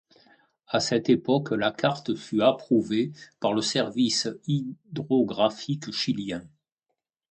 À cette époque, la carte fut approuvée par le Service hydrographique chilien.